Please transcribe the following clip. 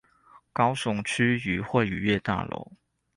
高雄區漁會漁業大樓